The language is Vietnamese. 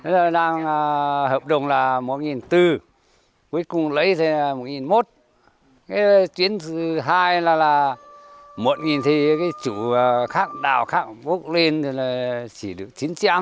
đầu vụ mỗi cân rong riêng tư thương thu mua với giá một năm trăm linh đồng cao nhất cũng chỉ được chín trăm linh đồng một kg